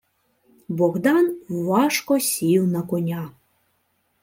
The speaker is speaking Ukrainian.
Богдан важко сів на коня.